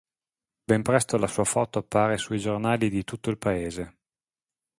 Ben presto la sua foto appare sui giornali di tutto il paese.